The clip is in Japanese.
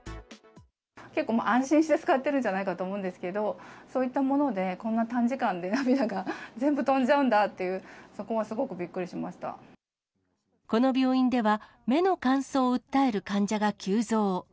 結構、安心して使っているんじゃないかと思うんですけど、そういったもので、こんな短時間で涙が全部飛んじゃうんだって、この病院では、目の乾燥を訴える患者が急増。